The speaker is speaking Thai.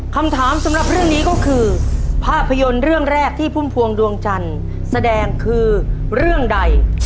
คำถามสำหรับเรื่องนี้ก็คือภาพยนตร์เรื่องแรกที่พุ่มพวงดวงจันทร์แสดงคือเรื่องใด